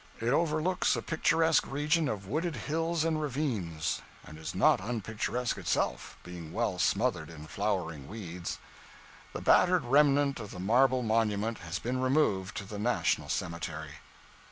It overlooks a picturesque region of wooded hills and ravines; and is not unpicturesque itself, being well smothered in flowering weeds. The battered remnant of the marble monument has been removed to the National Cemetery.